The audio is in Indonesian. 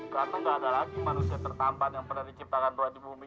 gak tuh gak ada lagi manusia tertampan yang pernah diciptakan buat di bumi ini kan